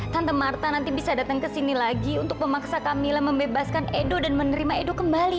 tante marta nanti bisa datang ke sini lagi untuk memaksa kamila membebaskan edo dan menerima edo kembali